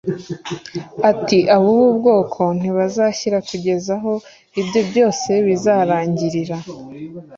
ati: "Ab'ubu bwoko ntibazashira kugeza aho ibyo byose bizarangirira."